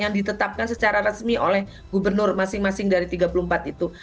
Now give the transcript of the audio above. yang ditetapkan secara resmi oleh gubernur masing masing dari tiga puluh empat itu